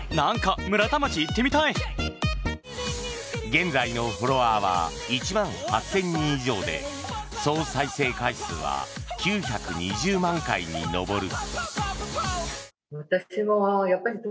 現在のフォロワーは１万８０００人以上で総再生回数は９２０万回に上る。